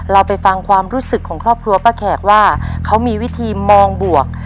เราไปฟังความรู้สึกของครอบครัวป้าแขกว่าเขามีวิธีมองบวก